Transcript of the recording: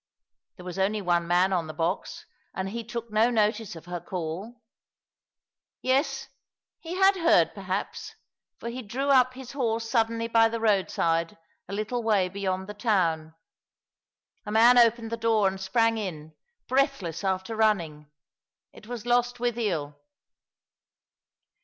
There was only one man on the box, and he took no notice of her call. Yes, he had heard, perhaps, for he drew up his horse suddenly by the road side, a little way beyond the town. A man opened the door and sprang in, breathless after running. It was Lostwithiel.